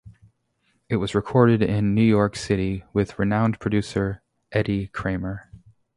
It was recorded in New York City with renowned producer Eddie Kramer.